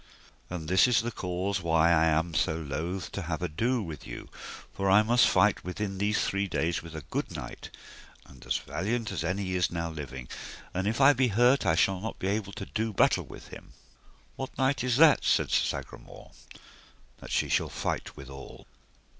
And this is the cause why I am so loath to have ado with you; for I must fight within these three days with a good knight, and as valiant as any is now living, and if I be hurt I shall not be able to do battle with him. What knight is that, said Sir Sagramore, that ye shall fight withal?